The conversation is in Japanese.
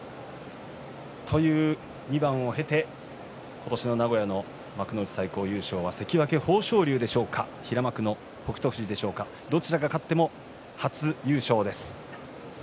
今年の名古屋の幕内最高優勝は関脇の豊昇龍でしょうか平幕の北勝富士でしょうかどちらが勝っても初優勝です。